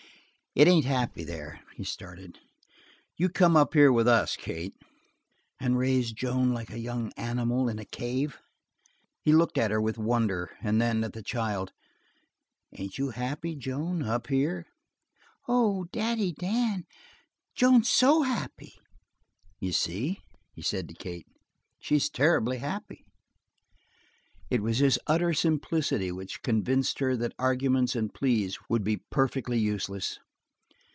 "It ain't happy there." He started. "You come up here with us, Kate." "And raise Joan like a young animal in a cave?" He looked at her with wonder, and then at the child. "Ain't you happy, Joan, up here?" "Oh, Daddy Dan, Joan's so happy!" "You see," he said to Kate, "she's terribly happy." It was his utter simplicity which convinced her that arguments and pleas would be perfectly useless.